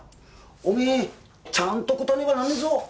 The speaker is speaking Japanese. おめえちゃんと答えねばなんねぞ。